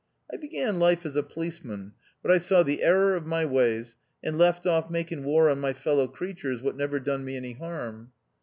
I began life as a policeman, but I saw the error of my ways, and left off making war on my fellow creatures what never done me any harm."